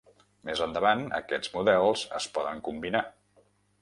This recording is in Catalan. Més endavant, aquests models es poden combinar.